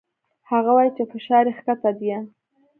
هغه وايي چې فشار يې کښته ديه.